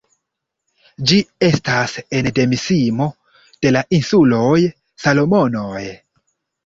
Ĝi estas endemismo de la insuloj Salomonoj.